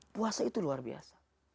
puasa itu luar biasa